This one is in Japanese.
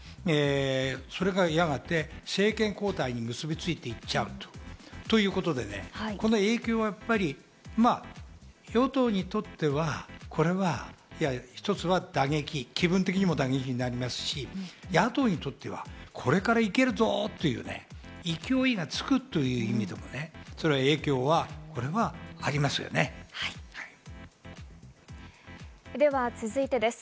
それがやがて政権交代に結びついていっちゃうということでこの影響は与党にとっては一つは打撃になりますし、野党にとってはこれから行けるぞっていう勢いがつくという意味でも影響はありまでは続いてです。